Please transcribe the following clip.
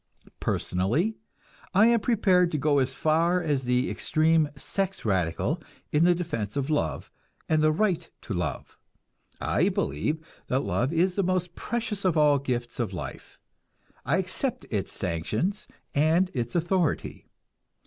Personally, I am prepared to go as far as the extreme sex radical in the defense of love and the right to love. I believe that love is the most precious of all the gifts of life. I accept its sanctions and its authority.